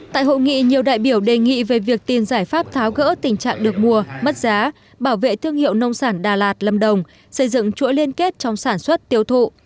tại hội nghị nhiều đại biểu đề nghị về việc tìm giải pháp tháo gỡ tình trạng được mua mất giá bảo vệ thương hiệu nông sản đà lạt lâm đồng xây dựng chuỗi liên kết trong sản xuất tiêu thụ